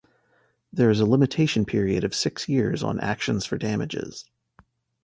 There is a limitation period of six years on actions for damages.